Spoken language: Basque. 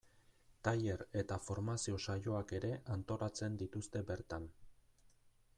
Tailer eta formazio saioak ere antolatzen dituzte bertan.